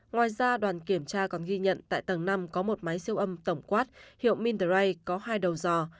ngoài ra đoàn kiểm tra còn ghi nhận tại tầng năm có một máy siêu âm tổng quát hiệu mindray có hai đầu dò